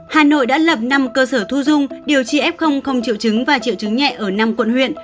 hà nội đã lập năm cơ sở thu dung điều trị f không triệu chứng và triệu chứng nhẹ ở năm quận huyện